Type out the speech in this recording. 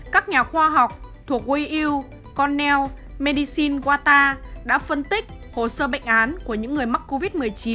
các nhà khoa học thuộc weiyu cornell medicine qatar đã phân tích hồ sơ bệnh án của những người mắc covid một mươi chín